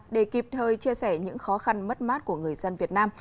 để kịp thời chia sẻ những khó khăn mất mát của người dân việt nam